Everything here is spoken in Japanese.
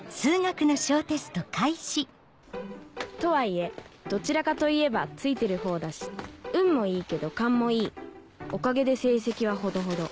とはいえどちらかといえばツイてるほうだし運もいいけど勘もいいおかげで成績はほどほど